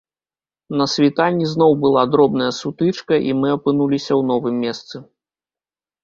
На світанні зноў была дробная сутычка, і мы апынуліся ў новым месцы.